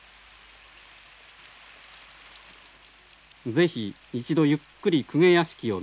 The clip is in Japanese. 是非一度ゆっくり公家屋敷を見てみたい。